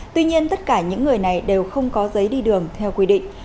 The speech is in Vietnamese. tuy nhiên tất cả những người này đều không có giấy đi đường theo quy định